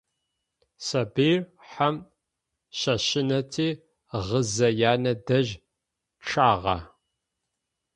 Сабыир хьэм щэщынэти, гъызэ янэ дэжь чъагъэ.